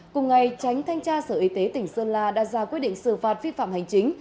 cùng ngày tránh thanh tra sở y tế tỉnh sơn la đã ra quyết định xử phạt vi phạm hành chính